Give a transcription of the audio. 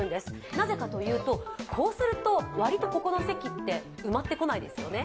なぜかというと、こうすると割と真ん中の席って埋まってこないですよね。